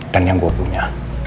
dan yang gue punya